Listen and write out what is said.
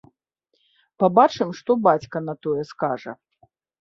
Пабачым, што бацька на тое скажа?